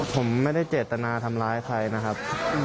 ผมไม่ได้เจตนาทำร้ายใครนะครับ